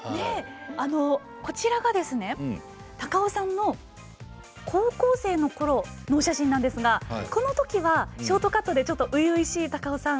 あのこちらがですね高尾さんの高校生の頃のお写真なんですがこの時はショートカットでちょっと初々しい高尾さん